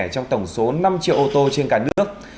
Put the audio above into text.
trong tổng số năm triệu ô tô trên cả nước